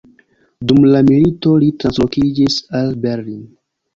Dum la milito li translokiĝis al Berlin.